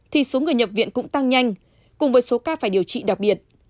thì số người nhập viện cũng tăng nhanh cùng với số ca phải điều trị đặc biệt